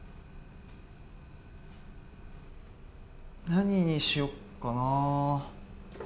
何にしよっかな。